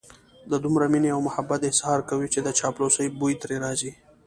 د دومره مينې او محبت اظهار کوي چې د چاپلوسۍ بوی ترې راځي.